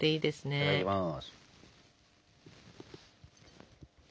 いただきます。